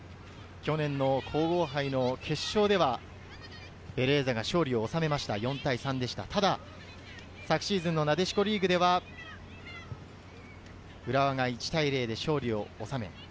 去年の皇后杯の決勝では、ベレーザが勝利を収めました、４対３。昨シーズンのなでしこリーグでは、浦和が１対０で勝利を収めています。